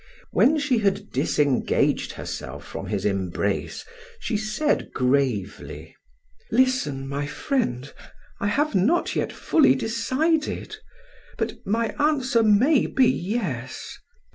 When she had disengaged herself from his embrace, she said gravely: "Listen, my friend, I have not yet fully decided; but my answer may be 'yes.'